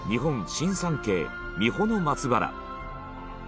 新三景三保松原。